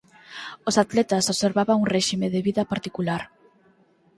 Os atletas observaban un réxime de vida particular.